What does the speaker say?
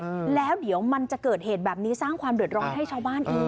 อืมแล้วเดี๋ยวมันจะเกิดเหตุแบบนี้สร้างความเดือดร้อนให้ชาวบ้านอีก